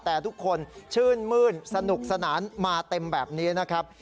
แต่ทุกคนชื่นมื้นสนุกสนานมาเต็มแบบนี้นะครับ